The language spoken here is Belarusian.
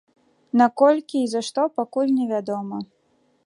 Наколькі і за што, пакуль невядома.